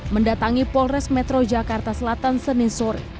mendatangi polres metro jakarta selatan senin sore